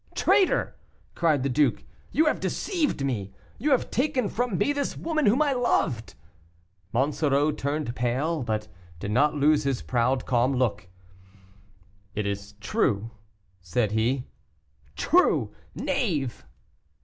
"Traitor!" cried the duke, "you have deceived me; you have taken from me this woman whom I loved " Monsoreau turned pale, but did not lose his proud, calm look. "It is true," said he. "True, knave!"